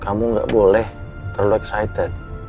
kamu nggak boleh terlalu excited